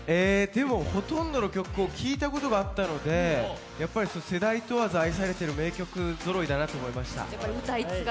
ほとんどの曲を聴いたことがあったので世代問わず愛されてる名曲ぞろいだなと思いました。